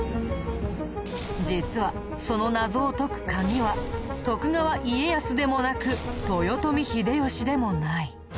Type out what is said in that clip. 実はその謎を解く鍵は徳川家康でもなく豊臣秀吉でもない。